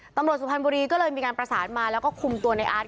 ตำรวจสุพันบุรีก็เลยมาแล้วก็คุมตัวไนอาร์ทกลับมาสอบสวนต้านกกเบื้องกวด